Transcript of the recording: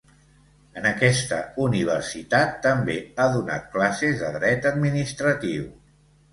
En aquesta Universitat també ha donat classes de Dret Administratiu.